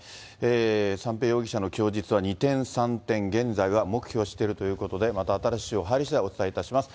三瓶容疑者の供述は二転三転、現在は黙秘をしているということで、また新しい情報入りしだい、お伝えいたします。